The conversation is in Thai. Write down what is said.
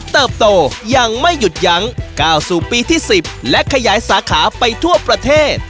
โตยังไม่หยุดยั้งก้าวสู่ปีที่๑๐และขยายสาขาไปทั่วประเทศ